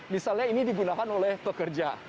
misalnya ini digunakan oleh pekerja